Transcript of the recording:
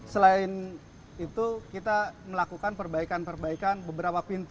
selain itu kita melakukan perbaikan perbaikan beberapa pintu